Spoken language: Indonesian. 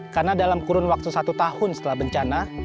karena dalam kurun waktu satu tahun setelah bencana